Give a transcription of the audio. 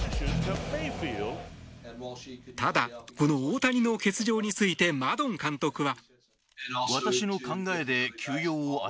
ただ、この大谷の欠場についてマドン監督は。